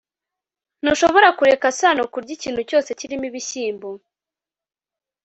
ntushobora kureka sano kurya ikintu cyose kirimo ibishyimbo